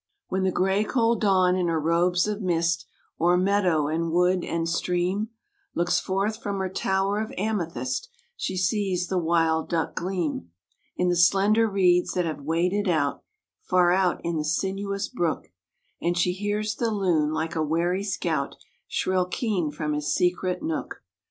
When the grey, cold Dawn in her robes of mist, O'er meadow and wood and stream, Looks forth from her tower of amethyst, She sees the wild duck gleam In the slender reeds that have waded out, Far out, in the sinuous brook, And she hears the loon, like a wary scout, Shrill keen from his secret nook.